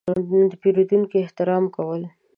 – د پېرودونکو احترام کول.